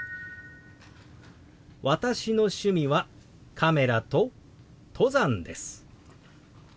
「私の趣味はカメラと登山です」。